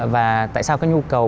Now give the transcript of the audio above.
và tại sao cái nhu cầu